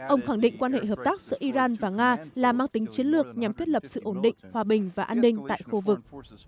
ông khẳng định quan hệ hợp tác giữa iran và nga là mang tính chiến lược nhằm thiết lập sự ổn định hòa bình và an ninh tại khu vực